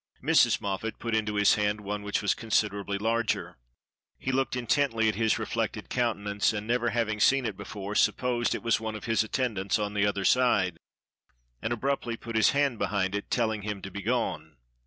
Mrs. Moffat put into his hand one which was considerably larger. He looked intently at his reflected countenance, and never having seen it before, supposed that it was one of his attendants on the other side, and abruptly put his hand behind it, telling him to be gone.